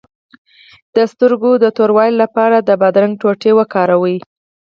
د سترګو د توروالي لپاره د بادرنګ ټوټې وکاروئ